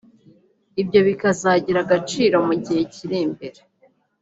Ibyo bikazagira agaciro mu gihe kiri imbere